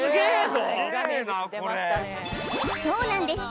ぞそうなんです